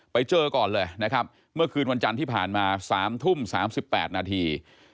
ไปเจอก่อนเลยนะครับเมื่อคืนวันจันทร์ที่ผ่านมา๓ทุ่ม๓๘นาที